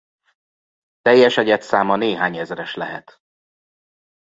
Teljes egyedszáma néhány ezres lehet.